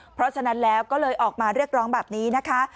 เพราะฉะนั้นแล้วก็เลยออกมาเรียกร้องแบบนี้นะคะ